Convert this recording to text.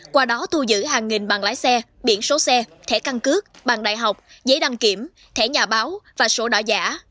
qua đó thu giữ hàng nghìn bằng lái xe biển số xe thẻ căn cước bằng đại học giấy đăng kiểm thẻ nhà báo và số đỏ giả